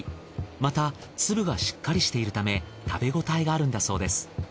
また粒がしっかりしているため食べ応えがあるんだそうです。